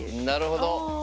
なるほど。